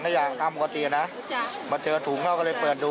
อ๋อคือยายมาเก็บขวดก็มาลื้อถังให้อย่างอ้ำกว่าที่นะ